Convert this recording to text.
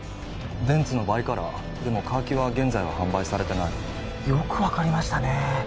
デンツのバイカラーでもカーキは現在は販売されてないよく分かりましたね